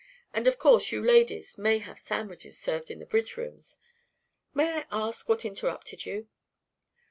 And of course you ladies may have sandwiches served in the bridge rooms. May I ask what interrupted you?"